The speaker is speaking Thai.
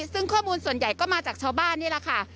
ซึ่งข้อมูลส่วนใหญ่ก็มาจากชาวบ้านนี่แหละค่ะ